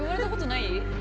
ない。